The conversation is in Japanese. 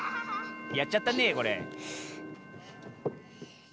やっちゃったねえ